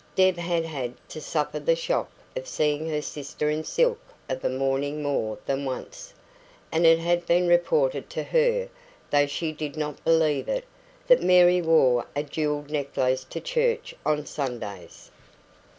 Deb had had to suffer the shock of seeing her sister in silk of a morning more than once, and it had been reported to her though she did not believe it that Mary wore a jewelled necklace to church on Sundays.